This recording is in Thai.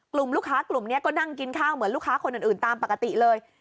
กลุ่มลูกค้ากลุ่มนี้ก็นั่งกินข้าวเหมือนลูกค้าคนอื่นตามปกติเลย